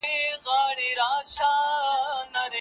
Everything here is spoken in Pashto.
نقاش چې سپینه پرده مخ ته کېږدي